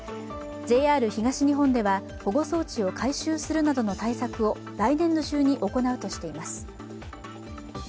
ＪＲ東日本では、保護装置を改修するなどの対策を来年度中に行うとしています。